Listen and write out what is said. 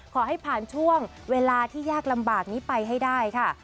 ขอให้ผ่านช่วงเวลาที่ยากลำบากนี้ไปให้ได้ค่ะ